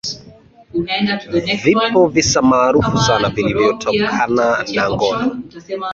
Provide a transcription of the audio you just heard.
vipo visa maarufu sana vilivyotokana na ngono